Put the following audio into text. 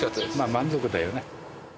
満足だよね。